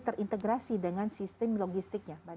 terintegrasi dengan sistem logistiknya